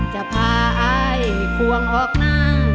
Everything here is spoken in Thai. จะพาอายควงออกหน้า